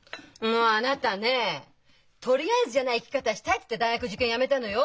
もうあなたね「とりあえず」じゃない生き方したいって大学受験やめたのよ。